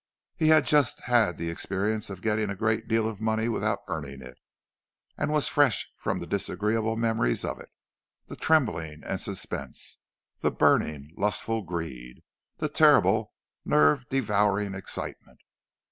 He had just had the experience of getting a great deal of money without earning it, and was fresh from the disagreeable memories of it—the trembling and suspense, the burning lustful greed, the terrible nerve devouring excitement.